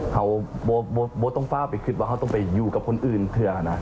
เขาโบ๊ทต้องเฝ้าไปคิดว่าเขาต้องไปอยู่กับคนอื่นเผื่อนะ